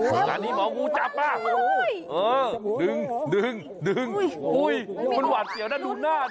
อันนี้หมองูจับป่ะเออดึงดึงมันหวาดเสียวน่ะดูหน้าดิ